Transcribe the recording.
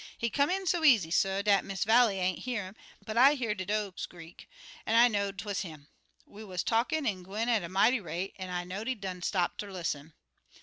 He come in so easy, suh, dat Miss Vallie ain't hear 'im, but I hear de do' screak, an' I know'd 'twuz him. We wuz talkin' an' gwine on at a mighty rate, an' I know'd he done stop ter lis'n.